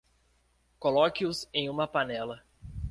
Coloque-os em uma panela.